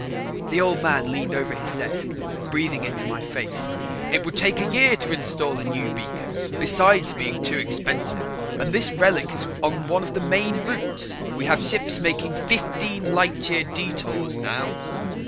The Old Man leaned over his desk, breathing into my face. "It would take a year to install a new beacon besides being too expensive and this relic is on one of the main routes. We have ships making fifteen light year detours now."